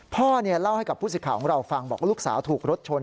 พ่อเล่าให้กับผู้สิทธิ์ของเราฟังบอกว่าลูกสาวถูกรถชน